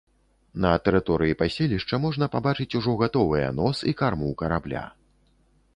На тэрыторыі паселішча можна пабачыць ужо гатовыя нос і карму карабля.